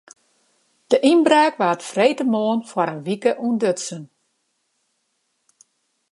De ynbraak waard freedtemoarn foar in wike ûntdutsen.